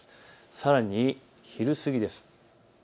さらに昼過ぎです。